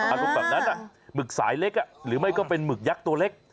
อารมณ์แบบนั้นหมึกสายเล็กหรือไม่ก็เป็นหมึกยักษ์ตัวเล็ก